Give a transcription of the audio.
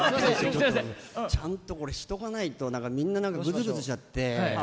ちゃんとしとかないとみんなグスグズしちゃって。